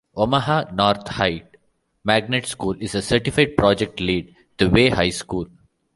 Omaha North High Magnet School is a certified Project Lead the Way high school.